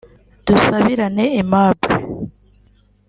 Dusabirane Aimable